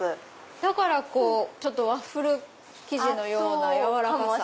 だからワッフル生地のような柔らかさ。